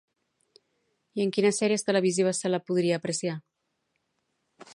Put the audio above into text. I en quines sèries televisives se la podria apreciar?